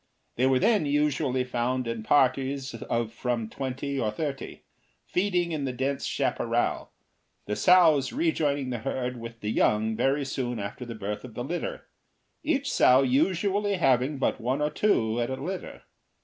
They were then usually found in parties of from twenty to thirty, feeding in the dense chaparral, the sows rejoining the herd with the young very soon after the birth of the litter, each sow usually having but one or two at a litter.